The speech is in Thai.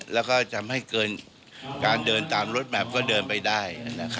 แล้วก็ทำให้เกินการเดินตามรถแมพก็เดินไปได้